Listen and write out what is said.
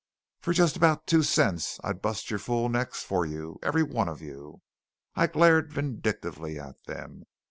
For just about two cents I'd bust your fool necks for you every one of you!" I glared vindictively at them.